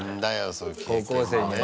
そういう経験もね。